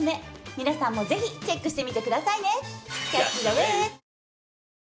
皆さんもぜひチェックしてみてくださいね。